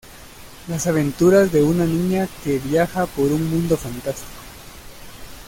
Las aventuras de una niña que viaja por un mundo fantástico.